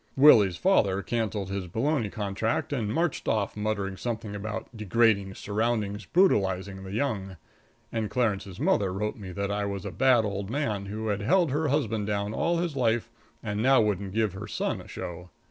Willie's father canceled his bologna contract and marched off muttering something about "degrading surroundings brutalizing the young;" and Clarence's mother wrote me that I was a bad old man who had held her husband down all his life and now wouldn't give her son a show.